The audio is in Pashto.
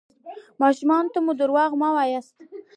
ماشومانو ته مو درواغ مه وایاست.